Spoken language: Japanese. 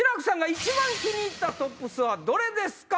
一番気に入ったトップスはどれですか？